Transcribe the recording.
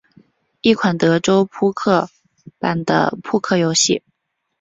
一款德州扑克版的扑克游戏。